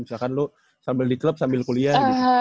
misalkan lu sambil di klub sambil kuliah gitu